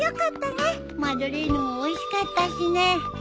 マドレーヌもおいしかったしね。